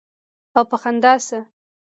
او پۀ خندا شۀ ـ